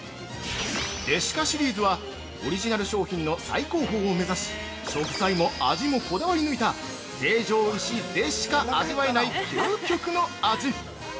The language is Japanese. ◆デシカシリーズはオリジナル商品の最高峰を目指し食材も味もこだわり抜いた成城石井でしか味わえない究極の味。